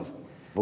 僕。